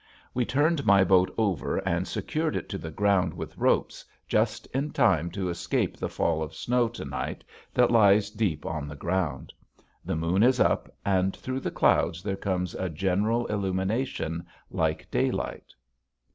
We turned my boat over and secured it to the ground with ropes just in time to escape the fall of snow to night that lies deep on the ground. The moon is up and through the clouds there comes a general illumination like daylight.